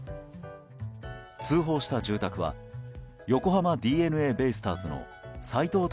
通報した住宅は横浜ＤｅＮＡベイスターズの斎藤隆